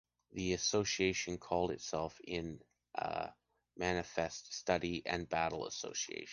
The association called itself in a manifest “study and battle association”.